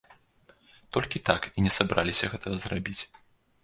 Толькі так і не сабраліся гэтага зрабіць.